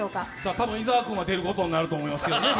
多分、伊沢君は出演することになると思いますけどね。